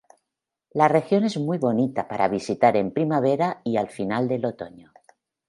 La región es muy bonita para visitar en primavera y al final del otoño.